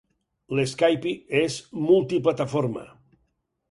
L'Skype és multiplataforma.